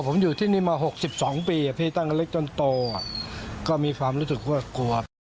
ผมอยู่ที่นี่มา๖๒ปีพี่ตั้งแต่เล็กจนโตก็มีความรู้สึกว่ากลัว